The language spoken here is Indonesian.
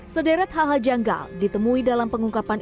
sederet hal hal janggal ditemui dalam pengungkapan